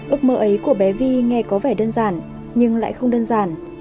ước mơ ấy của bé vi nghe có vẻ đơn giản nhưng lại không đơn giản